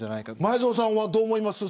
前園さんは、どう思いますか。